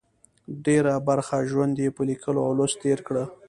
ډېره برخه ژوند یې په لیکلو او لوست تېر کړه.